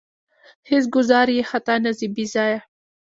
هېڅ ګوزار یې خطا نه ځي بې ځایه.